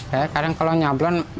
ya kadang kalau nyablon